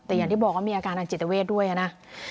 แต่อย่างที่บอกว่ามีอาการทางจิตเวทด้วยนะ